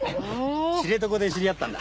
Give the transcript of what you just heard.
知床で知り合ったんだ。